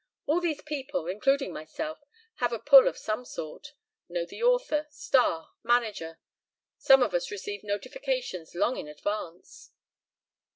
All these people, including myself, have a pull of some sort know the author, star, manager. Many of us receive notifications long in advance."